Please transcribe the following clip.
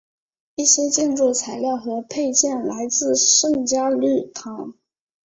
一些建筑材料和配件来自圣嘉禄堂。